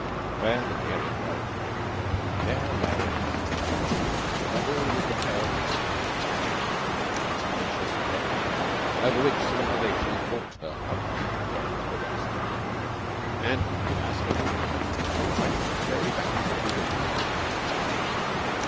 Where the daring road ended, there lay unsubdued, level with the pale asphalt, the tenacious prairie, over which civilisation fought her hub deep way to the West. And with asphalt and concrete they fight the prairie back every building season.